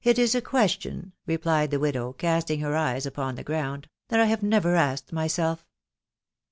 •"' 1 1 is a question/' replied the widow, casting her eya upon the ground, " that I have never asked myself."